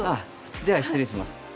じゃあ失礼します。